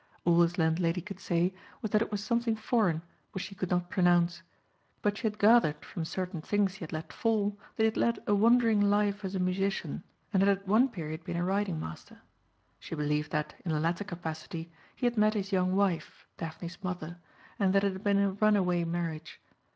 All his landlady could say was that it was something foreign which she could not pronounce. But she had gathered from certain things he had let fall that he had led a wandering life as a musician, and had at one period been a riding master. She believed that, in the latter capacity, he had met his young wife, Daphne's mother, and that it had been a runaway marriage.